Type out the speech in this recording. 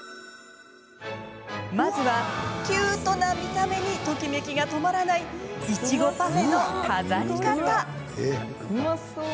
まずはキュートな見た目にときめきが止まらないいちごパフェの飾り方。